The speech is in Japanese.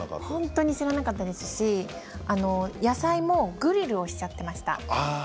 本当に知らなかったですし野菜もグリルをしちゃっていました。